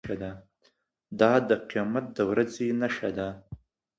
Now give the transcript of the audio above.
دا د قیامت د ورځې نښه ده.